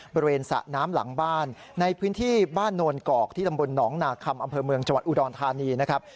บริเวณสระน้ำหลังบ้านในพื้นที่บ้านโนนกอกที่ตำบลหนองนาคมอำเภอเมืองจังหวัดอุดรธานีนะครับ